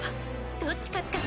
どっち勝つかな？